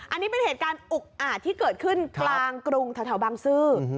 อันนี้เป็นเหตุการณ์อุกอาจที่เกิดขึ้นกลางกรุงแถวบางซื่อ